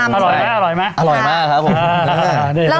สุดยอดมากครับผม